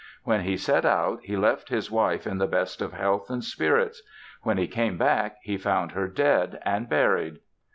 When he set out he left his wife in the best of health and spirits. When he came back he found her dead and buried.